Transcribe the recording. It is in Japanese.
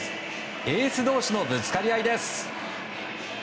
エース同士のぶつかり合いです。